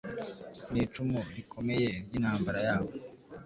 Nicumu rikomeye ryintambara yabo